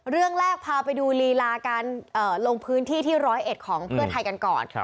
เรื่องแรกพาไปดูลีลาการลงพื้นที่ที่๑๐๑ของเพื่อไทยกันก่อน